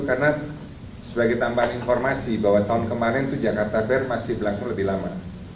karena sebagai tambahan informasi bahwa tahun kemarin tuh jakarta fair masih berlaku lebih lama